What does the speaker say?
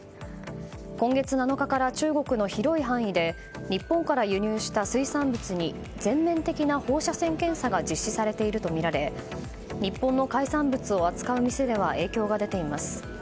今月７日から中国の広い範囲で日本から輸入した水産物に全面的な放射線検査が実施されているとみられ日本の海産物を扱う店では影響が出ています。